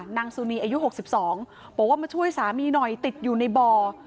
นางสุนีอายุ๖๒บอกว่ามาช่วยสามีหน่อยติดอยู่ในบ่อ